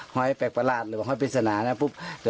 หอยแปลกปลาหรรต์หอยพิศนานะนั่นล่ะผุก